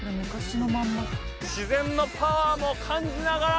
自然のパワーも感じながら